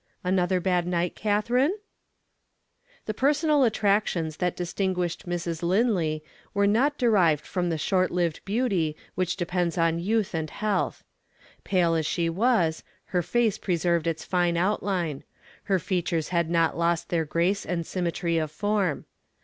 "Another bad night, Catherine?" The personal attractions that distinguished Mrs. Linley were not derived from the short lived beauty which depends on youth and health. Pale as she was, her face preserved its fine outline; her features had not lost their grace and symmetry of form.